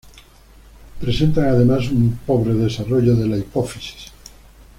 Presentan además un pobre desarrollo de la hipófisis.